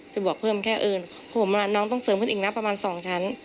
จะบอกเพิ่มแค่เอิญผมน้องต้องเสริมขึ้นอีกนะประมาณ๒ชั้น